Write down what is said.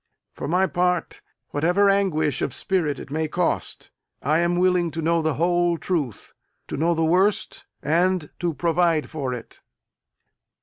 For my part, whatever anguish of spirit it may cost, I am willing to know the whole truth; to know the worst, and to provide for it.